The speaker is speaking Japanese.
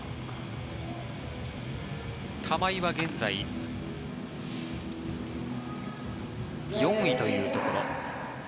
玉井は現在４位というところに。